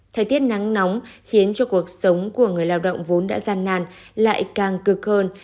thời tiết nắng nóng khiến cho cuộc sống của người lao động vốn đã gian nan lại càng cực hơn